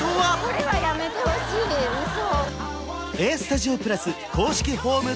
これはやめてほしい嘘